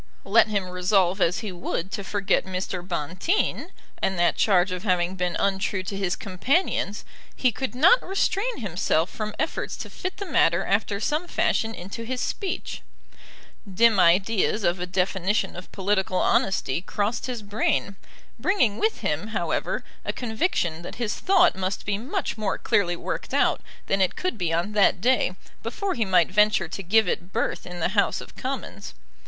Let him resolve as he would to forget Mr. Bonteen, and that charge of having been untrue to his companions, he could not restrain himself from efforts to fit the matter after some fashion into his speech. Dim ideas of a definition of political honesty crossed his brain, bringing with him, however, a conviction that his thought must be much more clearly worked out than it could be on that day before he might venture to give it birth in the House of Commons.